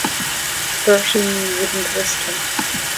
Bertie Mee wouldn't risk him.